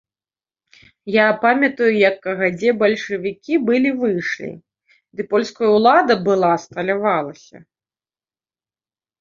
Я памятаю, як кагадзе бальшавікі былі выйшлі, ды польская ўлада была асталявалася.